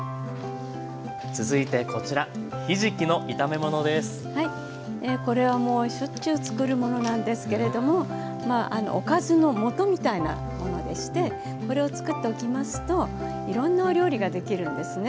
続いてこちらはいこれはもうしょっちゅう作るものなんですけれどもおかずのもとみたいなものでしてこれを作っておきますといろんなお料理ができるんですね。